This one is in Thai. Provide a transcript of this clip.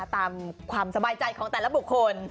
ตามความสบายใจของแต่ละบุคคล